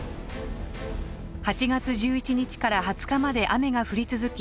８月１１日から２０日まで雨が降り続き